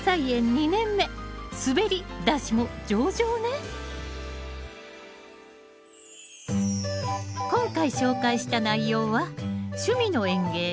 ２年目「すべり」出しも上々ね今回紹介した内容は「趣味の園芸やさいの時間」